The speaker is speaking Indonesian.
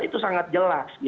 itu sangat jelas gitu